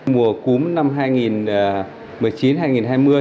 mùa cúm năm hai nghìn một mươi chín hai nghìn hai mươi